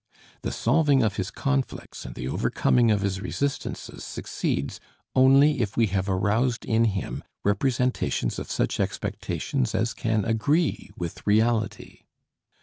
The solving of his conflicts and the overcoming of his resistances succeeds only if we have aroused in him representations of such expectations as can agree with reality.